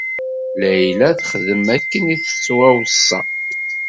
Layla texdem akken i tettwaweṣṣa.